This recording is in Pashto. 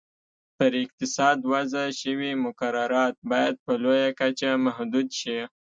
پر اقتصاد وضع شوي مقررات باید په لویه کچه محدود شي.